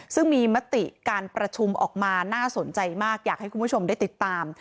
ซึ่งมีมติการประชุมออกมาน่าสนใจมากอยากให้คุณผู้ชมได้ติดตาม